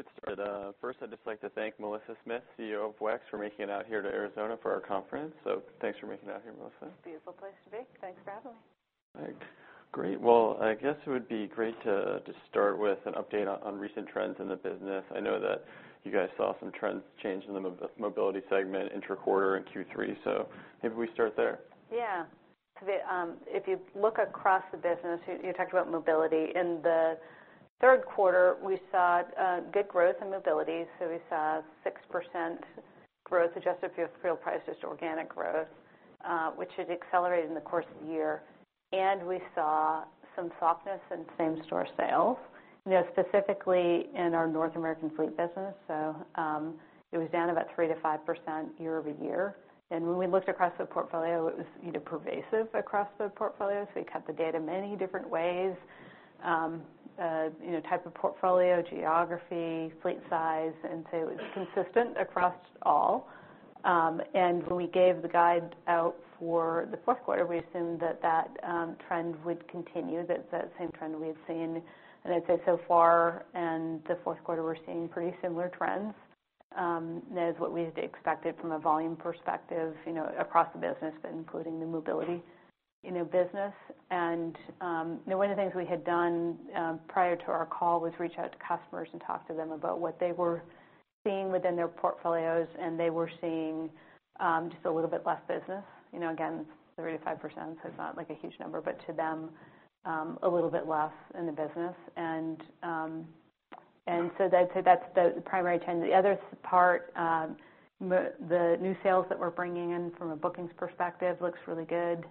Let's get started. First, I'd just like to thank Melissa Smith, CEO of WEX, for making it out here to Arizona for our conference. So thanks for making it out here, Melissa. Beautiful place to be. Thanks for having me. All right. Great. I guess it would be great to start with an update on recent trends in the business. I know that you guys saw some trends change in the mobility segment intra-quarter and Q3, so maybe we start there. Yeah. If you look across the business, you talked about mobility. In the third quarter, we saw good growth in mobility. So we saw 6% growth adjusted for fuel prices, just organic growth, which had accelerated in the course of the year. And we saw some softness in same-store sales, you know, specifically in our North American fleet business. So it was down about 3%-5% year over year. And when we looked across the portfolio, it was, you know, pervasive across the portfolio. So we cut the data many different ways, you know, type of portfolio, geography, fleet size. And so it was consistent across all. And when we gave the guide out for the fourth quarter, we assumed that trend would continue, that same trend we had seen. I'd say so far in the fourth quarter, we're seeing pretty similar trends as what we had expected from a volume perspective, you know, across the business, but including the Mobility, you know, business. You know, one of the things we had done prior to our call was reach out to customers and talk to them about what they were seeing within their portfolios. They were seeing just a little bit less business, you know, again, 3%-5%. It's not like a huge number, but to them, a little bit less in the business. I'd say that's the primary trend. The other part, the new sales that we're bringing in from a bookings perspective looks really good,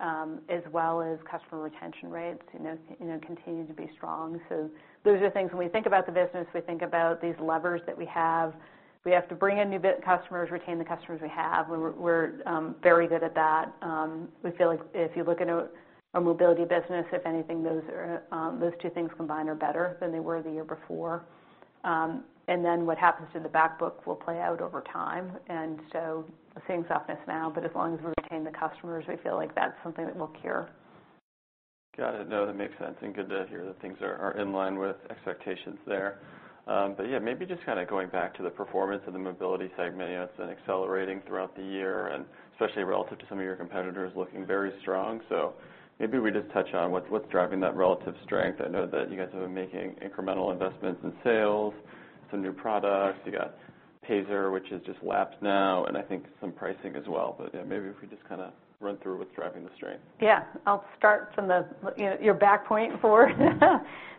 as well as customer retention rates, you know, you know, continue to be strong. Those are things when we think about the business. We think about these levers that we have. We have to bring in new customers, retain the customers we have. We're very good at that. We feel like if you look at our Mobility business, if anything, those two things combined are better than they were the year before, and then what happens to the Backbook will play out over time. We're seeing softness now, but as long as we retain the customers, we feel like that's something that will cure. Got it. No, that makes sense. And good to hear that things are in line with expectations there. But yeah, maybe just kind of going back to the performance of the mobility segment, you know, it's been accelerating throughout the year and especially relative to some of your competitors looking very strong. So maybe we just touch on what's driving that relative strength. I know that you guys have been making incremental investments in sales, some new products. You got Payzr, which is just launched now, and I think some pricing as well. But yeah, maybe if we just kind of run through what's driving the strength. Yeah. I'll start from the, you know, your back point forward.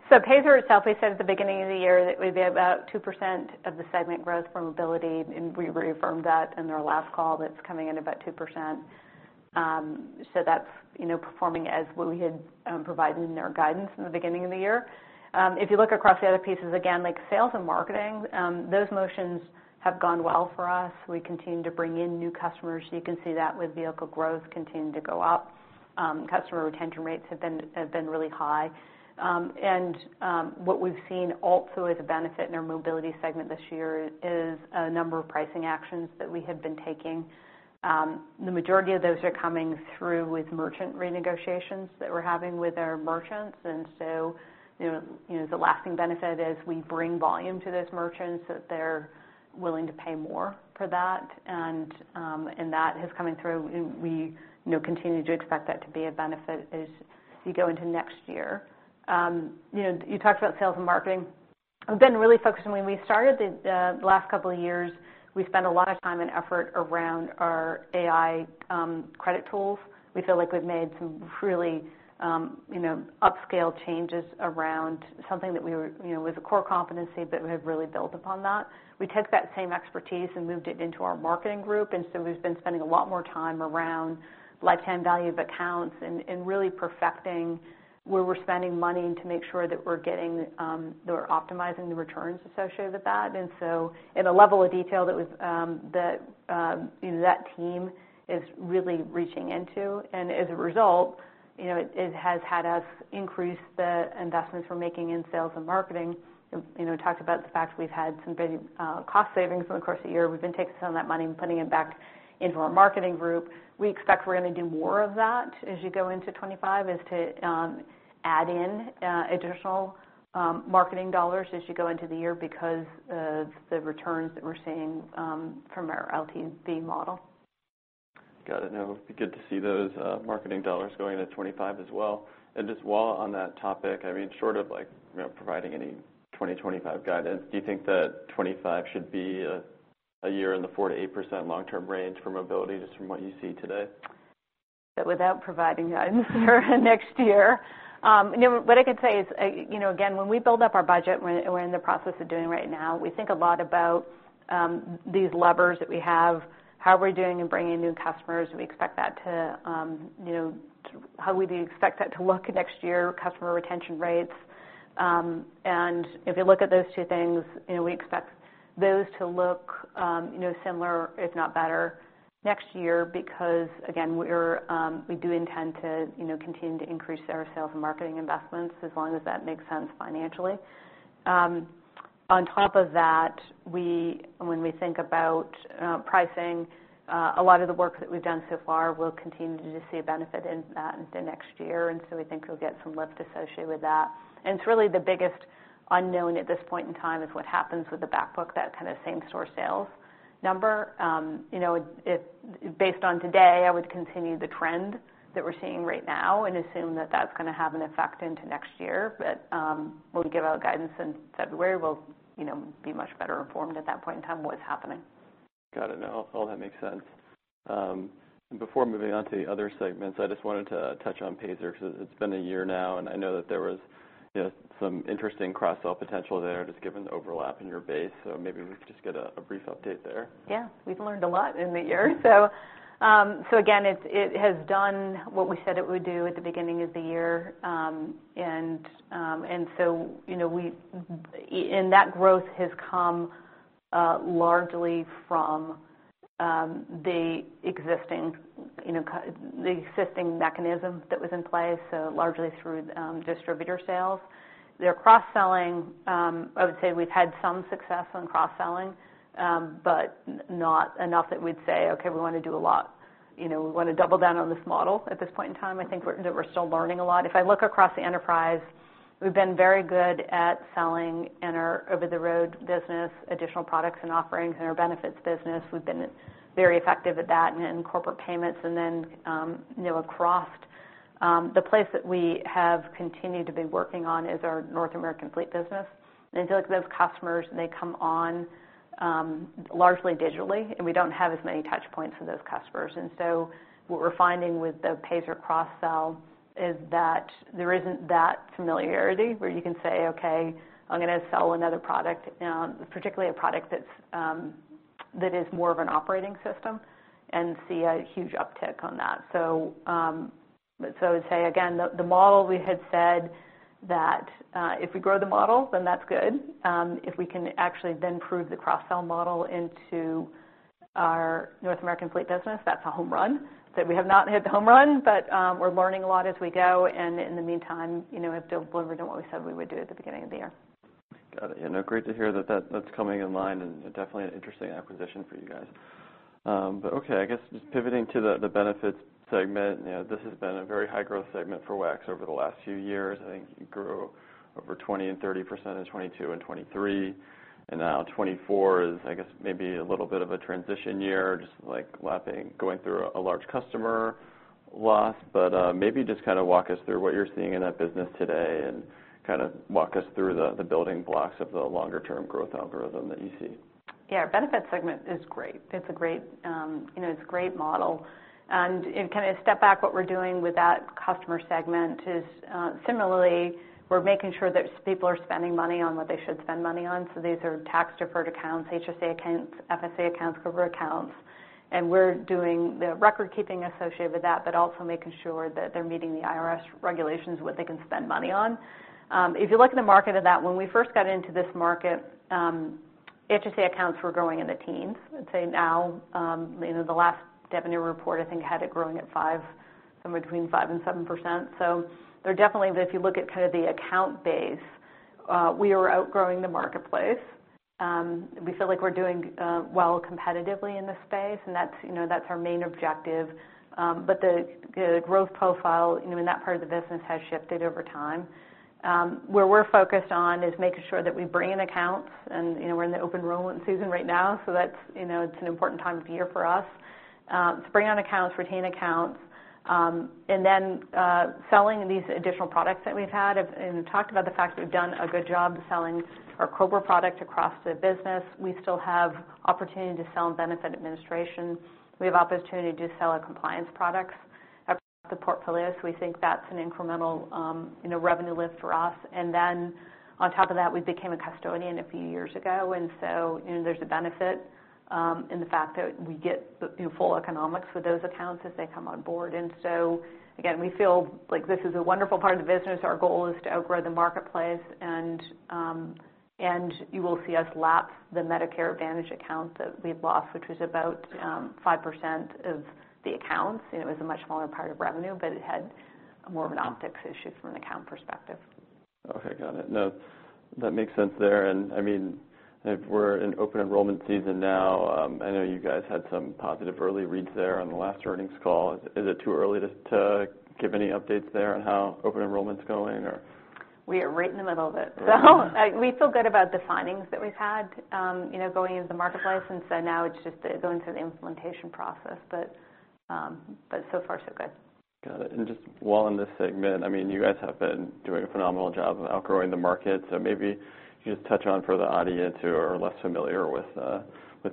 So Payzr itself, we said at the beginning of the year that we'd be about 2% of the segment growth for Mobility. And we reaffirmed that in our last call that it's coming in at about 2%. So that's, you know, performing as what we had provided in our guidance in the beginning of the year. If you look across the other pieces, again, like sales and marketing, those motions have gone well for us. We continue to bring in new customers. You can see that with vehicle growth continuing to go up. Customer retention rates have been really high. And what we've seen also as a benefit in our Mobility segment this year is a number of pricing actions that we had been taking. The majority of those are coming through with merchant renegotiations that we're having with our merchants. And so, you know, the lasting benefit is we bring volume to those merchants so that they're willing to pay more for that. And that has come in through, and we continue to expect that to be a benefit as you go into next year. You know, you talked about sales and marketing. We've been really focused on when we started the last couple of years. We spent a lot of time and effort around our AI credit tools. We feel like we've made some really, you know, upscale changes around something that we were, you know, was a core competency, but we have really built upon that. We took that same expertise and moved it into our marketing group. We've been spending a lot more time around lifetime value of accounts and really perfecting where we're spending money to make sure that we're getting, we're optimizing the returns associated with that. And so in a level of detail that, you know, that team is really reaching into. And as a result, you know, it has had us increase the investments we're making in sales and marketing. You know, we talked about the fact we've had some big cost savings in the course of the year. We've been taking some of that money and putting it back into our marketing group. We expect we're going to do more of that as you go into 2025, is to add in additional marketing dollars as you go into the year because of the returns that we're seeing from our LTV model. Got it. No, it'd be good to see those marketing dollars going into 2025 as well and just while on that topic, I mean, short of like, you know, providing any 2025 guidance, do you think that 2025 should be a year in the 4%-8% long-term range for mobility just from what you see today? Without providing guidance for next year, you know, what I could say is, you know, again, when we build up our budget, we're in the process of doing right now, we think a lot about these levers that we have, how we're doing in bringing in new customers. We expect that to, you know, how we do expect that to look next year, customer retention rates. And if you look at those two things, you know, we expect those to look, you know, similar, if not better next year because, again, we're, we do intend to, you know, continue to increase our sales and marketing investments as long as that makes sense financially. On top of that, we, when we think about pricing, a lot of the work that we've done so far, we'll continue to see a benefit in that into next year. And so we think we'll get some lift associated with that. And it's really the biggest unknown at this point in time, is what happens with the backbook, that kind of same-store sales number. You know, if based on today, I would continue the trend that we're seeing right now and assume that that's going to have an effect into next year. But, when we give out guidance in February, we'll, you know, be much better informed at that point in time what's happening. Got it. No, all that makes sense. Before moving on to the other segments, I just wanted to touch on Payzr because it's been a year now, and I know that there was, you know, some interesting cross-sell potential there just given the overlap in your base. So maybe we could just get a brief update there. Yeah. We've learned a lot in the year. So again, it has done what we said it would do at the beginning of the year. And so, you know, that growth has come largely from the existing mechanism that was in place, so largely through distributor sales. Their cross-selling, I would say we've had some success on cross-selling, but not enough that we'd say, "Okay, we want to do a lot." You know, we want to double down on this model at this point in time. I think we're still learning a lot. If I look across the enterprise, we've been very good at selling in our over-the-road business additional products and offerings in our benefits business. We've been very effective at that in corporate payments. And then, you know, across the place that we have continued to be working on is our North American fleet business. And I feel like those customers, they come on, largely digitally, and we don't have as many touch points with those customers. And so what we're finding with the Payzr cross-sell is that there isn't that familiarity where you can say, "Okay, I'm going to sell another product," particularly a product that is more of an operating system and see a huge uptick on that. So I would say, again, the model we had said that if we grow the model, then that's good. If we can actually then prove the cross-sell model into our North American fleet business, that's a home run. So we have not hit the home run, but we're learning a lot as we go. And in the meantime, you know, we have delivered on what we said we would do at the beginning of the year. Got it. Yeah. No, great to hear that that's coming in line, and definitely an interesting acquisition for you guys. But okay, I guess just pivoting to the benefits segment, you know, this has been a very high-growth segment for WEX over the last few years. I think you grew over 20% and 30% in 2022 and 2023. And now 2024 is, I guess, maybe a little bit of a transition year, just like lapping, going through a large customer loss. But, maybe just kind of walk us through what you're seeing in that business today and kind of walk us through the building blocks of the longer-term growth algorithm that you see. Yeah. Our benefits segment is great. It's a great, you know, it's a great model. And kind of step back what we're doing with that customer segment is, similarly, we're making sure that people are spending money on what they should spend money on. So these are tax-deferred accounts, HSA accounts, FSA accounts, covered accounts. And we're doing the record-keeping associated with that, but also making sure that they're meeting the IRS regulations, what they can spend money on. If you look at the market of that, when we first got into this market, HSA accounts were growing in the teens. I'd say now, you know, the last revenue report, I think, had it growing at 5%, somewhere between 5% and 7%. So there definitely, if you look at kind of the account base, we are outgrowing the marketplace. We feel like we're doing well competitively in this space, and that's, you know, that's our main objective, but the growth profile, you know, in that part of the business has shifted over time. Where we're focused on is making sure that we bring in accounts, and you know, we're in the open enrollment with season right now, so that's, you know, it's an important time of year for us to bring on accounts, retain accounts, and then selling these additional products that we've had, and we've talked about the fact we've done a good job selling our COBRA product across the business. We still have opportunity to sell benefit administration. We have opportunity to sell our compliance products across the portfolio, so we think that's an incremental, you know, revenue lift for us, and then on top of that, we became a custodian a few years ago. And so, you know, there's a benefit in the fact that we get the full economics with those accounts as they come on board. And so, again, we feel like this is a wonderful part of the business. Our goal is to outgrow the marketplace. And you will see us lapse the Medicare Advantage account that we've lost, which was about 5% of the accounts. You know, it was a much smaller part of revenue, but it had more of an optics issue from an account perspective. Okay. Got it. No, that makes sense there, and I mean, if we're in Open Enrollment season now, I know you guys had some positive early reads there on the last earnings call. Is it too early to give any updates there on how Open Enrollment's going or? We are right in the middle of it. So we feel good about the findings that we've had, you know, going into the marketplace. And so now it's just going through the implementation process. But so far, so good. Got it. And just while in this segment, I mean, you guys have been doing a phenomenal job of outgrowing the market. So maybe you just touch on for the audience who are less familiar with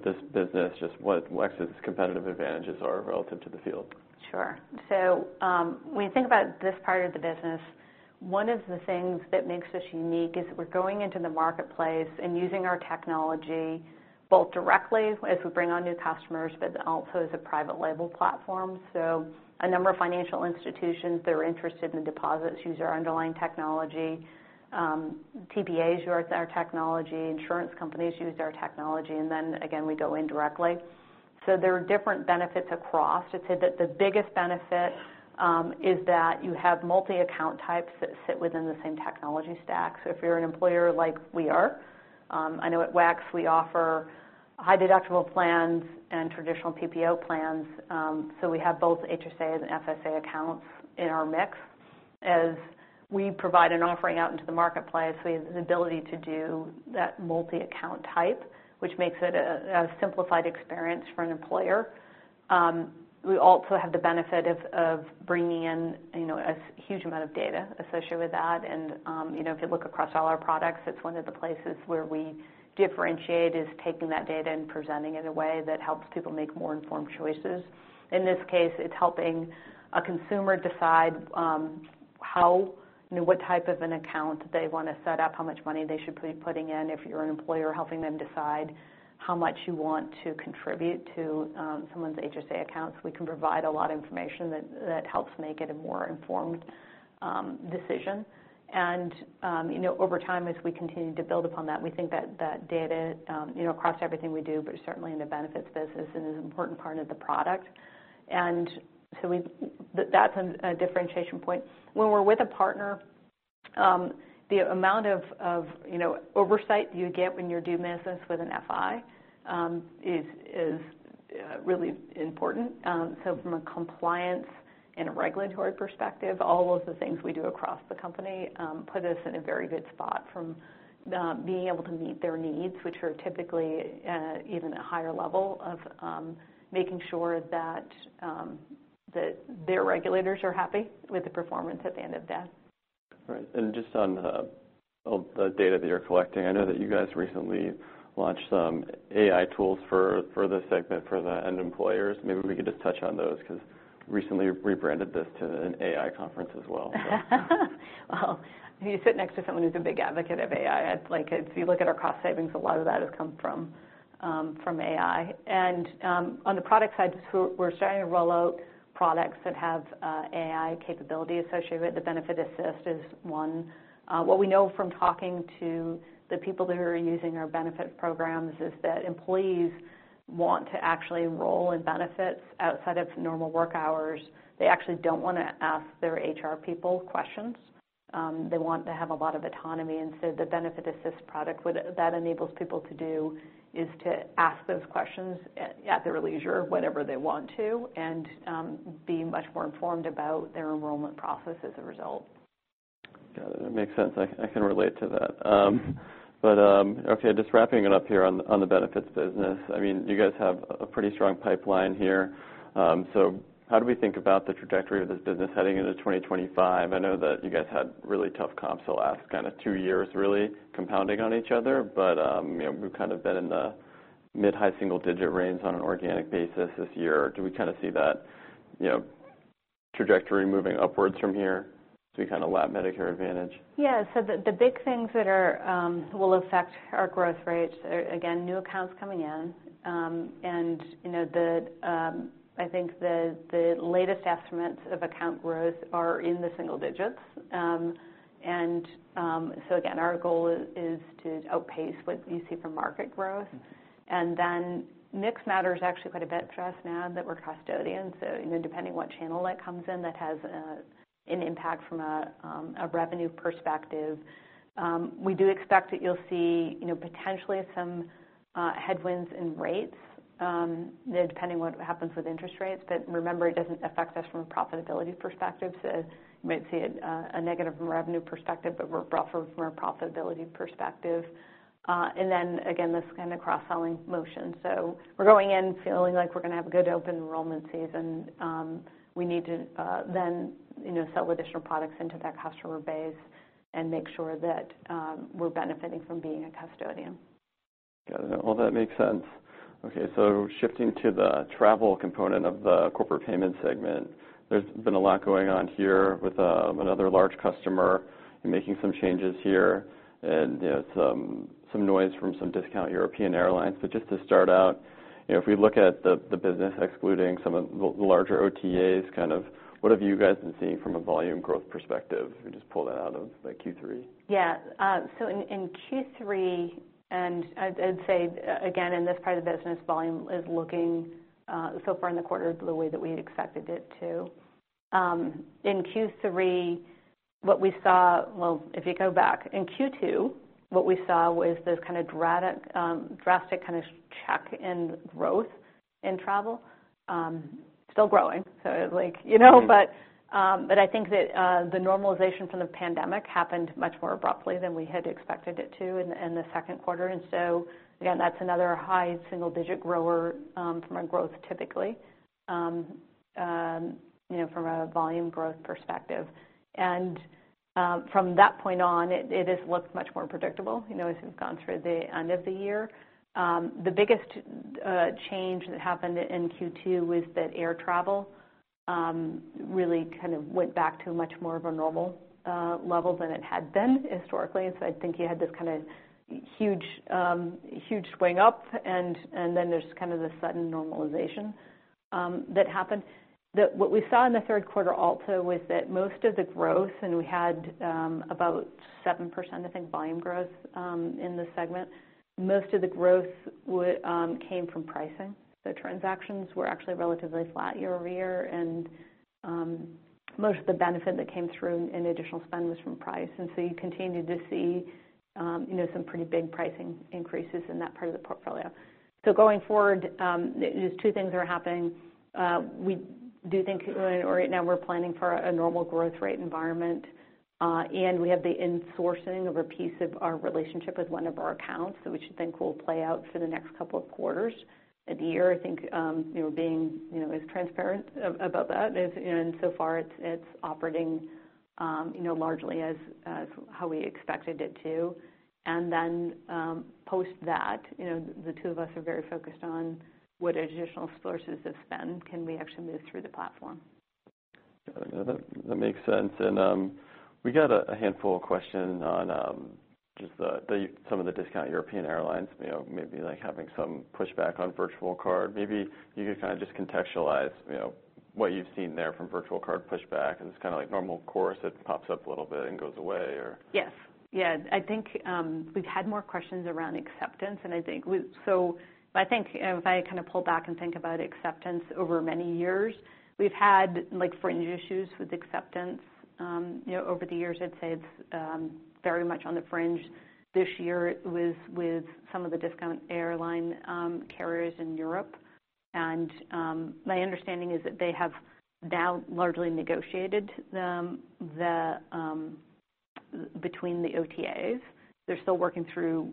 this business, just what WEX's competitive advantages are relative to the field. Sure. So, when you think about this part of the business, one of the things that makes us unique is that we're going into the marketplace and using our technology both directly as we bring on new customers, but also as a private label platform. So a number of financial institutions that are interested in the deposits use our underlying technology. TPAs use our technology. Insurance companies use our technology. And then, again, we go in directly. So there are different benefits across. I'd say that the biggest benefit is that you have multi-account types that sit within the same technology stack. So if you're an employer like we are, I know at WEX, we offer high-deductible plans and traditional PPO plans. So we have both HSA and FSA accounts in our mix. As we provide an offering out into the marketplace, we have the ability to do that multi-account type, which makes it a simplified experience for an employer. We also have the benefit of bringing in, you know, a huge amount of data associated with that. You know, if you look across all our products, it's one of the places where we differentiate is taking that data and presenting it in a way that helps people make more informed choices. In this case, it's helping a consumer decide how, you know, what type of an account they want to set up, how much money they should be putting in. If you're an employer, helping them decide how much you want to contribute to someone's HSA accounts. We can provide a lot of information that helps make it a more informed decision. You know, over time, as we continue to build upon that, we think that that data, you know, across everything we do, but certainly in the benefits business, is an important part of the product. So, that's a differentiation point. When we're with a partner, the amount of you know, oversight you get when you're doing business with an FI, is really important. So from a compliance and a regulatory perspective, all of the things we do across the company put us in a very good spot from being able to meet their needs, which are typically even a higher level of making sure that their regulators are happy with the performance at the end of the day. Right. And just on the data that you're collecting, I know that you guys recently launched some AI tools for the segment for the end employers. Maybe we could just touch on those because recently we rebranded this to an AI conference as well. Well, you sit next to someone who's a big advocate of AI. It's like, if you look at our cost savings, a lot of that has come from AI. And, on the product side, we're starting to roll out products that have AI capability associated with it. The Benefit Assist is one. What we know from talking to the people that are using our benefit programs is that employees want to actually enroll in benefits outside of normal work hours. They actually don't want to ask their HR people questions. They want to have a lot of autonomy. And so the Benefit Assist product that enables people to do is to ask those questions at their leisure, whenever they want to, and be much more informed about their enrollment process as a result. Got it. That makes sense. I can relate to that, but okay, just wrapping it up here on the benefits business. I mean, you guys have a pretty strong pipeline here, so how do we think about the trajectory of this business heading into 2025? I know that you guys had really tough comps the last kind of two years, really compounding on each other, but you know, we've kind of been in the mid-high single-digit range on an organic basis this year. Do we kind of see that, you know, trajectory moving upwards from here to kind of lap Medicare Advantage? Yeah. So the big things that will affect our growth rates are new accounts coming in. And you know, I think the latest estimates of account growth are in the single digits. And so again, our goal is to outpace what you see from market growth. And then mix matters actually quite a bit for us now that we're custodians. So you know, depending on what channel that comes in, that has an impact from a revenue perspective. We do expect that you'll see you know, potentially some headwinds in rates, depending on what happens with interest rates. But remember, it doesn't affect us from a profitability perspective. So you might see a negative from a revenue perspective, but we're brought from a profitability perspective. And then again, this kind of cross-selling motion. So we're going in feeling like we're going to have a good open enrollment season. We need to, then, you know, sell additional products into that customer base and make sure that, we're benefiting from being a custodian. Got it. Well, that makes sense. Okay. So shifting to the travel component of the Corporate Payments segment, there's been a lot going on here with another large customer and making some changes here. And, you know, some noise from some discount European airlines. But just to start out, you know, if we look at the business, excluding some of the larger OTAs, kind of what have you guys been seeing from a volume growth perspective? We just pull that out of the Q3. Yeah, so in Q3, and I'd say, again, in this part of the business, volume is looking so far in the quarter the way that we had expected it to. In Q3, what we saw, well, if you go back, in Q2, what we saw was this kind of drastic kind of check in growth in travel. Still growing. So it's like, you know, but I think that the normalization from the pandemic happened much more abruptly than we had expected it to in the second quarter. And so, again, that's another high single-digit grower, from a growth typically, you know, from a volume growth perspective. And from that point on, it has looked much more predictable, you know, as we've gone through the end of the year. The biggest change that happened in Q2 was that air travel really kind of went back to much more of a normal level than it had been historically, and so I think you had this kind of huge, huge swing up, and, and then there's kind of this sudden normalization that happened. What we saw in the third quarter also was that most of the growth, and we had about 7%, I think, volume growth in the segment. Most of the growth came from pricing. The transactions were actually relatively flat year over year, and most of the benefit that came through in additional spend was from price, and so you continued to see, you know, some pretty big pricing increases in that part of the portfolio, so going forward, just two things are happening. We do think right now we're planning for a normal growth rate environment. And we have the insourcing of a piece of our relationship with one of our accounts that we should think will play out for the next couple of quarters of the year. I think, you know, being, you know, as transparent about that as, you know, and so far it's operating, you know, largely as how we expected it to. And then, post that, you know, the two of us are very focused on what additional sources of spend can we actually move through the platform. Got it. No, that makes sense. And we got a handful of questions on just some of the discount European airlines, you know, maybe like having some pushback on virtual card. Maybe you could kind of just contextualize, you know, what you've seen there from virtual card pushback. It's kind of like normal course that pops up a little bit and goes away or. Yes. Yeah. I think we've had more questions around acceptance. And I think, you know, if I kind of pull back and think about acceptance over many years, we've had like fringe issues with acceptance, you know, over the years. I'd say it's very much on the fringe this year with some of the discount airline carriers in Europe. And my understanding is that they have now largely negotiated the between the OTAs. They're still working through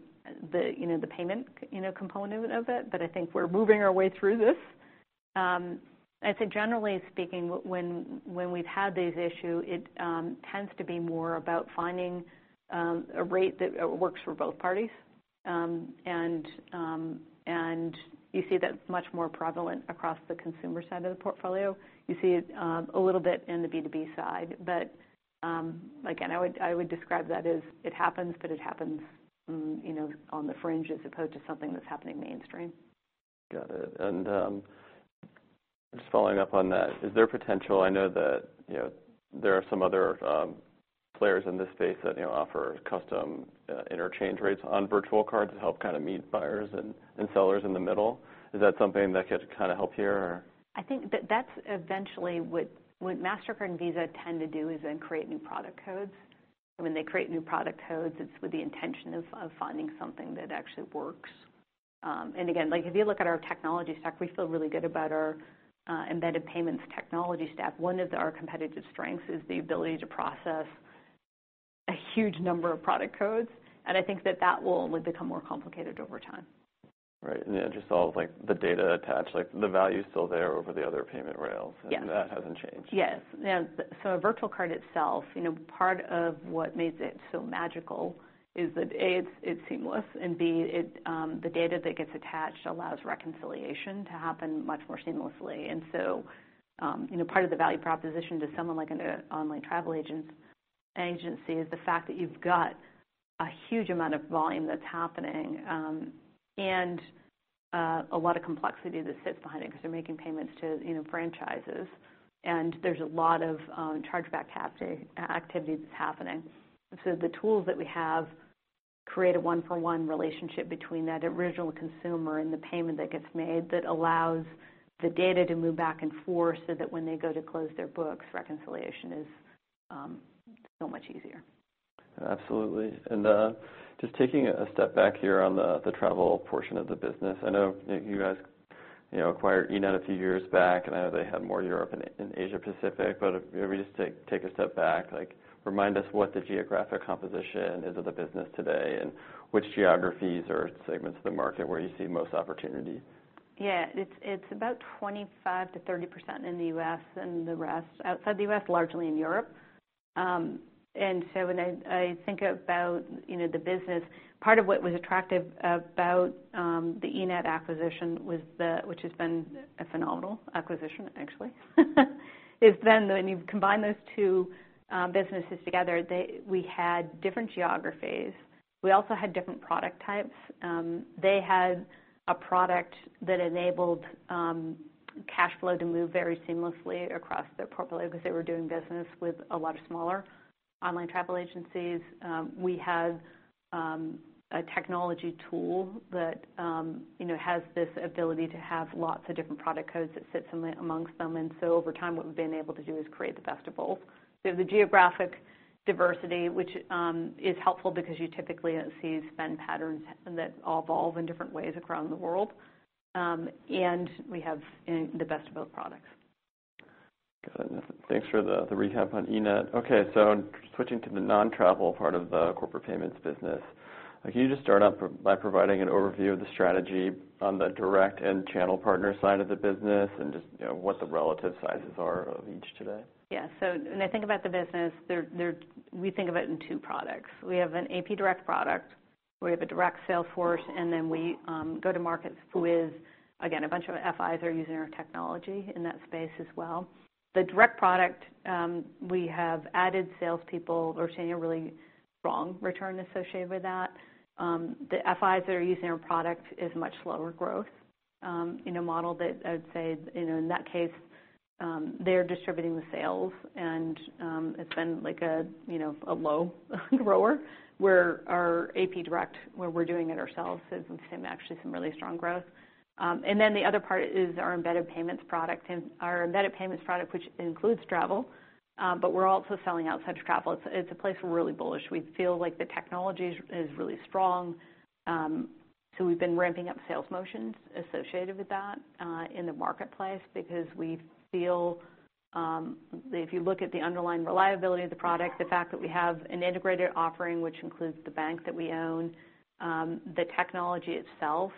the, you know, the payment, you know, component of it. But I think we're moving our way through this. I'd say generally speaking, when we've had this issue, it tends to be more about finding a rate that works for both parties. And you see that's much more prevalent across the consumer side of the portfolio. You see it, a little bit in the B2B side. But, again, I would describe that as it happens, you know, on the fringe as opposed to something that's happening mainstream. Got it, and just following up on that, is there potential? I know that, you know, there are some other players in this space that, you know, offer custom interchange rates on virtual cards to help kind of meet buyers and sellers in the middle. Is that something that could kind of help here or? I think that that's eventually what Mastercard and Visa tend to do is then create new product codes. And when they create new product codes, it's with the intention of finding something that actually works, and again, like if you look at our technology stack, we feel really good about our embedded payments technology stack. One of our competitive strengths is the ability to process a huge number of product codes. And I think that will only become more complicated over time. Right. And just all like the data attached, like the value's still there over the other payment rails? Yes. And that hasn't changed? Yes. Now, so a virtual card itself, you know, part of what makes it so magical is that A, it's, it's seamless, and B, it, the data that gets attached allows reconciliation to happen much more seamlessly, and so, you know, part of the value proposition to someone like an online travel agency is the fact that you've got a huge amount of volume that's happening, and a lot of complexity that sits behind it because they're making payments to, you know, franchises, and there's a lot of chargeback activity that's happening, and so the tools that we have create a one-for-one relationship between that original consumer and the payment that gets made that allows the data to move back and forth so that when they go to close their books, reconciliation is so much easier. Absolutely. Just taking a step back here on the travel portion of the business, I know you guys, you know, acquired eNett a few years back, and I know they had more Europe and Asia-Pacific, but if you just take a step back, like remind us what the geographic composition is of the business today and which geographies or segments of the market where you see most opportunity. Yeah. It's about 25%-30% in the U.S. and the rest outside the U.S., largely in Europe. And so when I think about, you know, the business, part of what was attractive about the eNett acquisition was the, which has been a phenomenal acquisition, actually, is then when you combine those two businesses together, they we had different geographies. We also had different product types. They had a product that enabled cash flow to move very seamlessly across their portfolio because they were doing business with a lot of smaller online travel agencies. We had a technology tool that, you know, has this ability to have lots of different product codes that sits amongst them. And so over time, what we've been able to do is create the best of both. So the geographic diversity, which is helpful because you typically don't see spend patterns that all evolve in different ways across the world, and we have the best of both products. Got it. Thanks for the recap on eNett. Okay. So switching to the non-travel part of the corporate payments business, can you just start out by providing an overview of the strategy on the direct and channel partner side of the business and just, you know, what the relative sizes are of each today? Yeah. So when I think about the business, we think of it in two products. We have an AP Direct product where we have a direct sales force, and then we go-to markets with, again, a bunch of FIs that are using our technology in that space as well. The direct product, we have added salespeople, which are really strong return associated with that. The FIs that are using our product is much slower growth, in a model that I would say, you know, in that case, they're distributing the sales. And it's been like a, you know, low grower where our AP Direct, where we're doing it ourselves, is actually some really strong growth. Then the other part is our embedded payments product, which includes travel. But we're also selling outside of travel. It's a place we're really bullish. We feel like the technology is really strong, so we've been ramping up sales motions associated with that, in the marketplace because we feel, if you look at the underlying reliability of the product, the fact that we have an integrated offering, which includes the bank that we own, the technology itself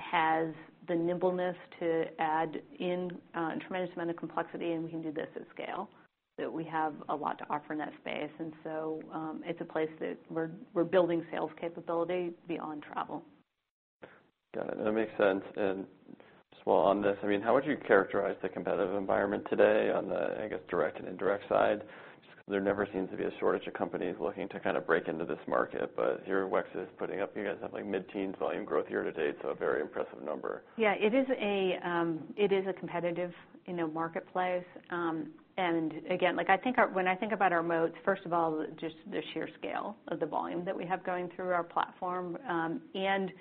has the nimbleness to add in, a tremendous amount of complexity, and we can do this at scale, so we have a lot to offer in that space, and so, it's a place that we're building sales capability beyond travel. Got it. That makes sense. And just while on this, I mean, how would you characterize the competitive environment today on the, I guess, direct and indirect side? Just because there never seems to be a shortage of companies looking to kind of break into this market. But here at WEX is putting up, you guys have like mid-teens volume growth year to date. So a very impressive number. Yeah. It is a competitive, you know, marketplace, and again, like I think our, when I think about our moats, first of all, just the sheer scale of the volume that we have going through our platform, and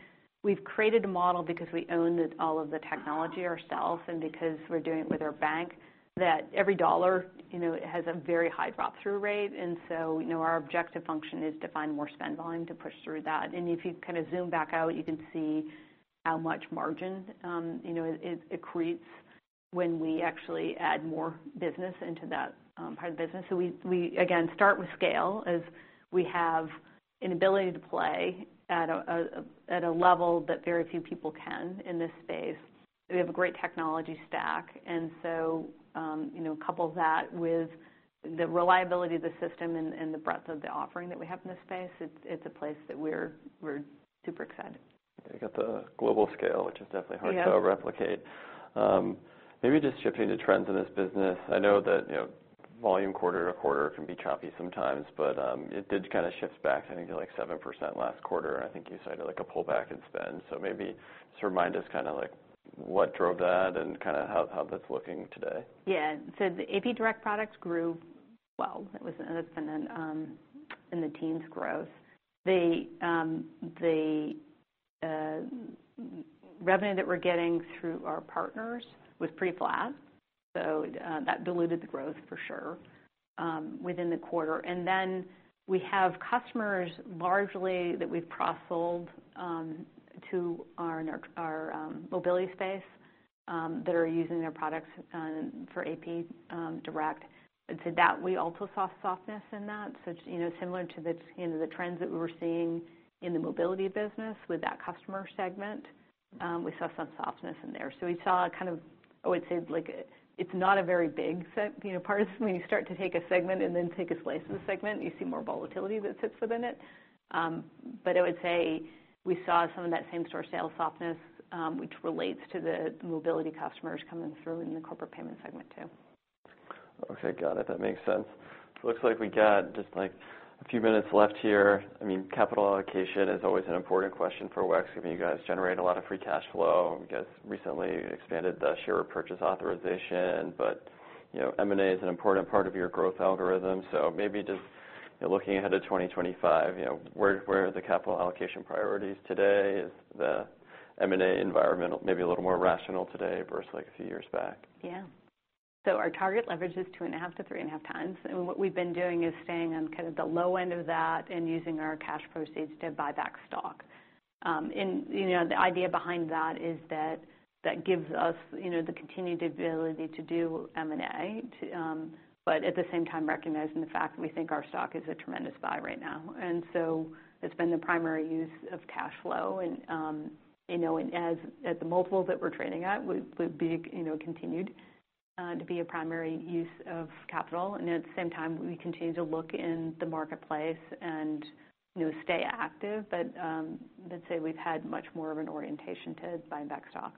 we've created a model because we own all of the technology ourselves and because we're doing it with our bank that every dollar, you know, has a very high drop-through rate, and so, you know, our objective function is to find more spend volume to push through that, and if you kind of zoom back out, you can see how much margin, you know, it creates when we actually add more business into that part of the business, so we again start with scale as we have an ability to play at a level that very few people can in this space. We have a great technology stack, and so, you know, couple that with the reliability of the system and the breadth of the offering that we have in this space. It's a place that we're super excited. You got the global scale, which is definitely hard to replicate. Yeah. Maybe just shifting to trends in this business. I know that, you know, volume quarter to quarter can be choppy sometimes. But, it did kind of shift back, I think, to like 7% last quarter. And I think you cited like a pullback in spend. So maybe just remind us kind of like what drove that and kind of how that's looking today. Yeah. So the AP Direct products grew well. That's been in the team's growth. The revenue that we're getting through our partners was pretty flat. So that diluted the growth for sure within the quarter. And then we have customers largely that we've cross-sold to our Mobility space that are using their products for AP Direct. And so that we also saw softness in that. You know, similar to you know, the trends that we were seeing in the Mobility business with that customer segment, we saw some softness in there. So we saw kind of, I would say like it's not a very big segment, you know, part of when you start to take a segment and then take a slice of the segment, you see more volatility that sits within it. But I would say we saw some of that same-store sales softness, which relates to the mobility customers coming through in the Corporate Payments segment too. Okay. Got it. That makes sense. Looks like we got just like a few minutes left here. I mean, capital allocation is always an important question for WEX given you guys generate a lot of free cash flow. You guys recently expanded the share repurchase authorization, but you know, M&A is an important part of your growth algorithm, so maybe just, you know, looking ahead to 2025, you know, where, where are the capital allocation priorities today? Is the M&A environment maybe a little more rational today versus like a few years back? Yeah. So our target leverage is two and a half to three and a half times. And what we've been doing is staying on kind of the low end of that and using our cash proceeds to buy back stock. And, you know, the idea behind that is that that gives us, you know, the continued ability to do M&A, but at the same time recognizing the fact that we think our stock is a tremendous buy right now. And so it's been the primary use of cash flow. And, you know, at the multiple that we're trading at, we'd be, you know, to be a primary use of capital. And at the same time, we continue to look in the marketplace and, you know, stay active. But, let's say we've had much more of an orientation to buying back stock.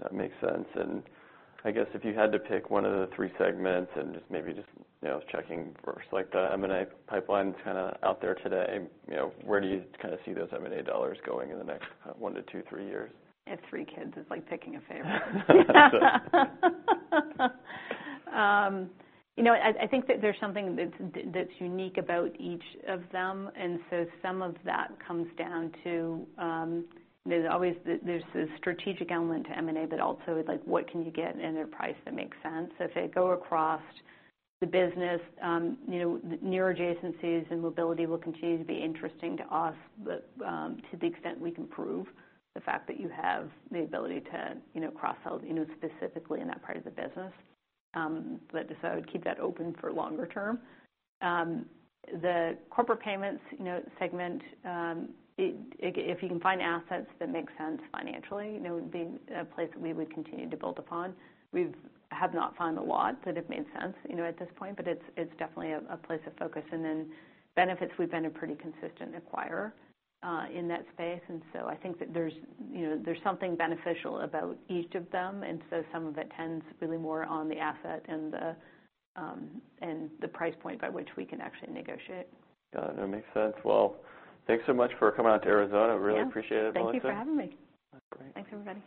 That makes sense. And I guess if you had to pick one of the three segments and just maybe, you know, checking versus like the M&A pipeline is kind of out there today, you know, where do you kind of see those M&A dollars going in the next one to two, three years? It's three kids. It's like picking a favorite, you know. I think that there's something that's unique about each of them. And so some of that comes down to the strategic element to M&A, but also like what can you get in a price that makes sense. So if they go across the business, you know, the near adjacencies and mobility will continue to be interesting to us, but to the extent we can prove the fact that you have the ability to, you know, cross-sell, you know, specifically in that part of the business, but so I would keep that open for longer term. The Corporate Payments, you know, segment if you can find assets that make sense financially, you know, would be a place that we would continue to build upon. We have not found a lot that have made sense, you know, at this point. But it's definitely a place of focus. And then benefits, we've been a pretty consistent acquirer in that space. And so I think that there's, you know, something beneficial about each of them. And so some of it tends really more on the asset and the price point by which we can actually negotiate. Got it. That makes sense. Thanks so much for coming out to Arizona. Really appreciate it. Yeah. Thank you for having me. Great. Thanks everybody.